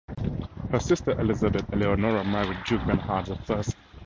Her sister Elizabeth Eleonora married Duke Bernhard the First of Saxe-Meiningen here.